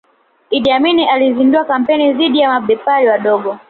Idi Amin alizindua kampeni dhidi ya mabepari wadogo